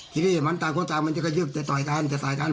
ทีนี้มันต่างคนต่างมันจะกระยืบจะต่อยกันจะต่อยกัน